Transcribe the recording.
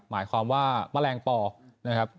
หมายความว่าแมลงปอนะครับ